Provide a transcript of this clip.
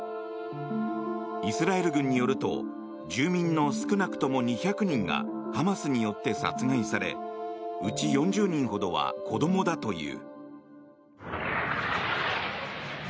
イスラエル軍によると住民の少なくとも２００人がハマスによって殺害されうち４０人ほどは子どもだという。